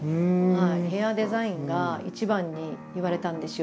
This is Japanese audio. ヘアデザインが一番に言われたんですよ。